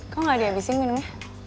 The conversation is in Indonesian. kok gak dihabisin minumnya